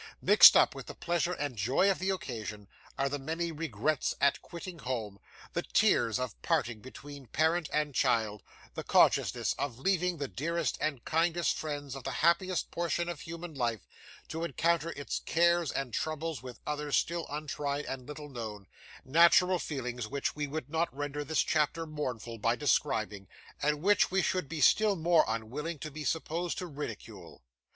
Mixed up with the pleasure and joy of the occasion, are the many regrets at quitting home, the tears of parting between parent and child, the consciousness of leaving the dearest and kindest friends of the happiest portion of human life, to encounter its cares and troubles with others still untried and little known natural feelings which we would not render this chapter mournful by describing, and which we should be still more unwilling to be supposed to ridicule.